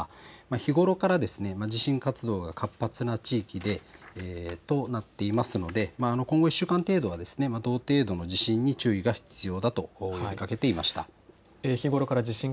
日頃から地震活動が活発な地域となっていますので今後１週間程度は同程度の地震に注意が必要だと呼びかけていました。